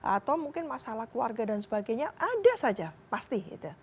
atau mungkin masalah keluarga dan sebagainya ada saja pasti